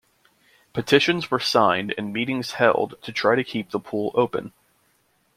Petitions were signed and meetings held to try to keep the pool open.